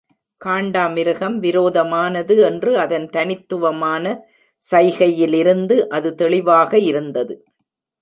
காண்டாமிருகம் விரோதமானது என்று அதன் தனித்துவமான சைகையிலிருந்து அது தெளிவாக இருந்தது.